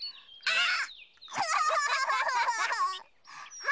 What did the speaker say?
あっ！